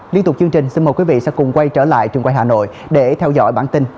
liên tục chương trình xin mời quý vị sẽ cùng quay trở lại trường quay hà nội để theo dõi bản tin an ninh hai mươi bốn h